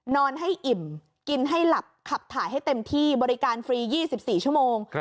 นอนให้อิ่มกินให้หลับขับถ่ายให้เต็มที่บริการฟรี๒๔ชั่วโมง